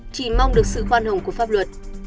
chỉ mong được sự khoan hồng của pháp luật